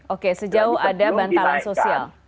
oke sejauh ada bantalan sosial